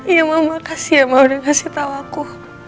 iya mama makasih ya ma udah kasih tau aku